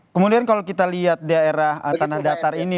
kemudian kalau kita lihat daerah tanah datar ini